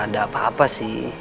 gak apa apa sih